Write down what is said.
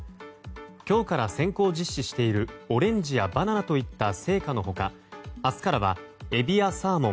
今日から、先行実施しているオレンジやバナナといった青果の他明日からはエビやサーモン